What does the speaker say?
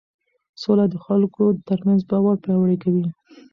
سوله د خلکو ترمنځ باور پیاوړی کوي